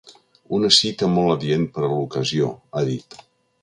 Una cita ‘molt adient per a l’ocasió’, ha dit.